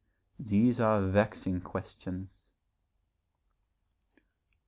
These are vexing questions.